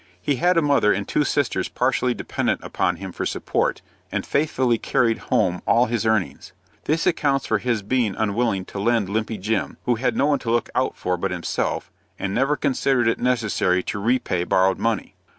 He had a mother and two sisters partially dependent upon him for support, and faithfully carried home all his earnings. This accounts for his being unwilling to lend Limpy Jim, who had no one to look out for but himself, and never considered it necessary to repay borrowed money.